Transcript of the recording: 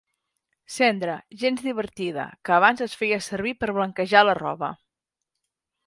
Cendra, gens divertida, que abans es feia servir per blanquejar la roba.